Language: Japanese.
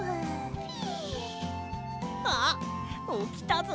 ピ！あっおきたぞ。